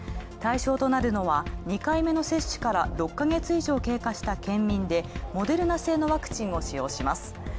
対象となるのは２回目の接種から６ヶ月以上経過した県民でモデルナ製のワクチンを使用します。